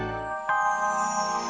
"nije memberedakkan hati suami